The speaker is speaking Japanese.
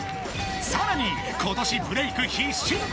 さらに今年ブレイク必至！